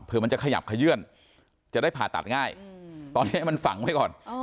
เพื่อมันจะขยับขยื่นจะได้ผ่าตัดง่ายตอนนี้มันฝังไว้ก่อน